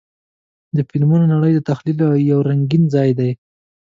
د فلمونو نړۍ د تخیل یو رنګین ځای دی.